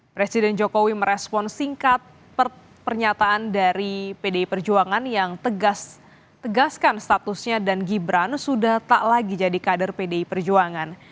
presiden jokowi merespon singkat pernyataan dari pdi perjuangan yang tegaskan statusnya dan gibran sudah tak lagi jadi kader pdi perjuangan